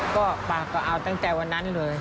ก็ป้าก็เอาตั้งแต่วันนั้นเลย